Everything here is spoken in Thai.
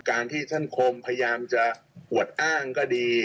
การที่ท่านคมพยายามจะอวดอ้างก็ดี